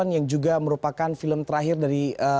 yang juga merupakan film terakhir dari